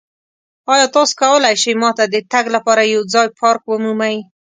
ایا تاسو کولی شئ ما ته د تګ لپاره یو ځایی پارک ومومئ؟